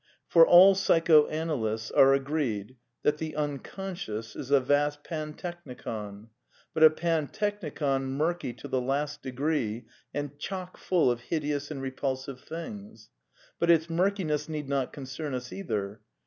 For all psychoanalysts are agreed that the Un conscious is a vast pantechnicon; but a pantechnicon murky to the last degree and chock full of hideous and re pulsive things. But its murkiness need not concern us either.